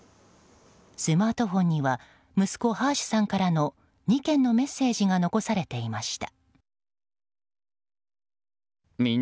スマートフォンには息子ハーシュさんからの２件のメッセージが残されていました。